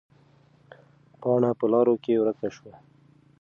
پاڼه په لارو کې ورکه شوه.